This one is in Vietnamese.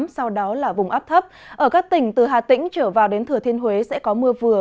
sau đó là vùng áp thấp ở các tỉnh từ hà tĩnh trở vào đến thừa thiên huế sẽ có mưa vừa